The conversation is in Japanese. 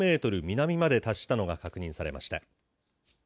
南まで達したのが確認されました。